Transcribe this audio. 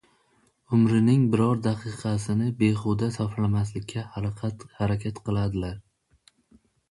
Umrining biror daqiqasini behuda sarflamaslikka harakat qiladilar.